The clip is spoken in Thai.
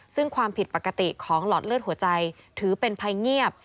ซึ่งความผิดปกติของหลอดเลือดหัวใจถือเป็นภัยเงียบ